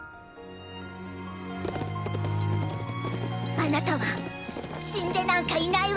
あなたはしんでなんかいないわ！！